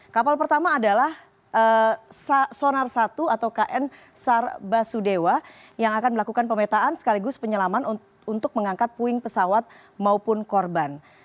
kapal pertama adalah sonar satu atau kn sar basudewa yang akan melakukan pemetaan sekaligus penyelaman untuk mengangkat puing pesawat maupun korban